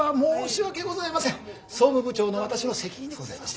総務部長の私の責任でございまして。